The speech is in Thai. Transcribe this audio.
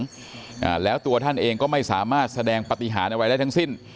อ่าแล้วตัวท่านเองก็ไม่สามารถแสดงปฏิหารอะไรได้ทั้งสิ้น